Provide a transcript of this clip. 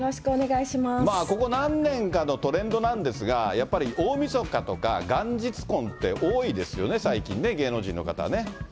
ここ何年かのトレンドなんですが、やっぱり大みそかとか、元日婚って、多いですよね、最近ね、芸能人の方ね。